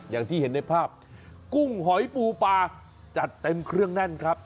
อย่างที่เห็นในภาพกุ้งหอยปูปลาจัดเต็มเครื่องแน่นครับ